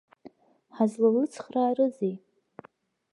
Ҳазлалыцхраарызеи?!